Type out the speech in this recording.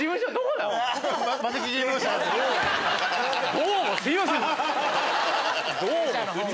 どうもすみません。